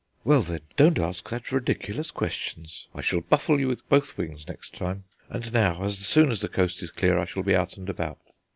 "Well then, don't ask such ridiculous questions. I shall buffle you with both wings next time. And now, as soon as the coast is clear, I shall be out and about."